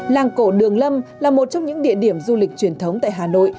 làng cổ đường lâm là một trong những địa điểm du lịch truyền thống tại hà nội